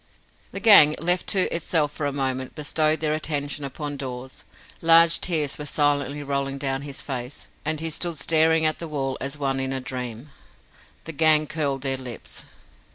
The gang, left to itself for a moment, bestowed their attention upon Dawes. Large tears were silently rolling down his face, and he stood staring at the wall as one in a dream. The gang curled their lips.